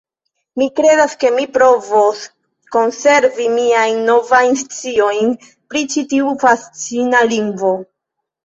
Mi kredas ke mi provos konservi miajn novajn sciojn pri ĉi tiu fascina lingvo.